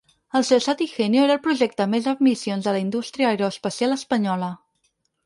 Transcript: El SEOSAT–Igenio era el projecte més ambiciós de la indústria aeroespacial espanyola.